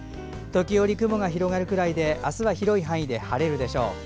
時折、雲が広がるくらいであすは広い範囲で晴れるでしょう。